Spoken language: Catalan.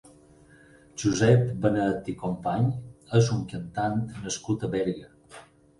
Josep Benet i Company és un cantant nascut a Berga.